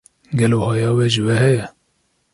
Gelo haya we ji we heye?